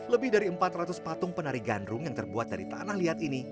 lebih dari empat ratus patung penari gandrung yang terbuat dari tanah liat ini